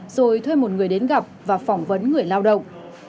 rồi thuê một người đến gặp và phỏng vấn người lao động